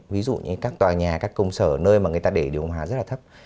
ví dụ như các tòa nhà các công sở nơi mà người ta để điều hòa rất là thấp